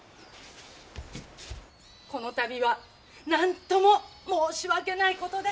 この度はなんとも申し訳ないことで。